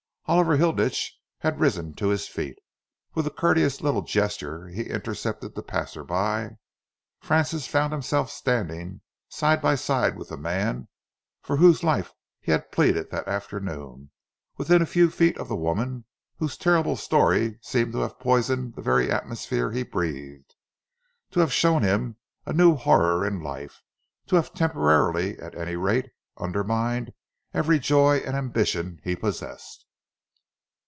Oliver Hilditch had risen to his feet. With a courteous little gesture he intercepted the passer by. Francis found himself standing side by side with the man for whose life he had pleaded that afternoon, within a few feet of the woman whose terrible story seemed to have poisoned the very atmosphere he breathed, to have shown him a new horror in life, to have temporarily, at any rate, undermined every joy and ambition he possessed.